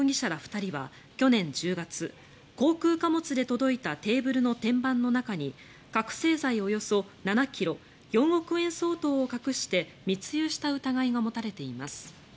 ２人は去年１０月、航空貨物で届いたテーブルの天板の中に覚醒剤およそ７ｋｇ４億円相当を隠して密輸した疑いが持たれています。